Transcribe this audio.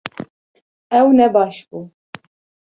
Ew ne baş bû